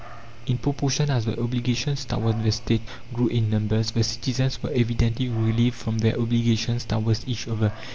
In proportion as the obligations towards the State grew in numbers the citizens were evidently relieved from their obligations towards each other.